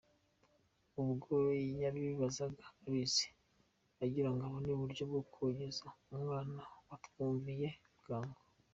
Ubwo yabibazaga abizi, Agira ngo abone uburyo Bwo kogeza umwana Watwumviye bwangu.